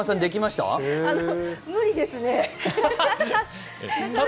無理ですね。